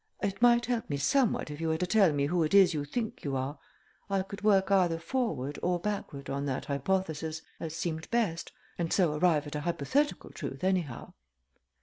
It might help me somewhat if you were to tell me who it is you think you are. I could work either forward or backward on that hypothesis, as seemed best, and so arrive at a hypothetical truth anyhow."